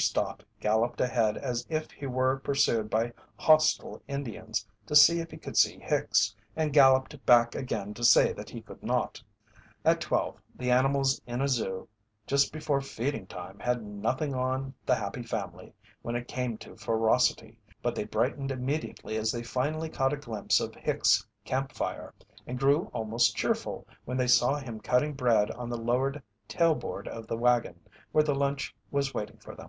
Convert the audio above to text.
Stott galloped ahead as if he were pursued by hostile Indians to see if he could see Hicks, and galloped back again to say that he could not. At twelve the animals in a zoo just before feeding time had "nothing on" The Happy Family when it came to ferocity, but they brightened immediately as they finally caught a glimpse of Hicks' camp fire, and grew almost cheerful when they saw him cutting bread on the lowered tail board of the wagon, where the lunch was waiting for them.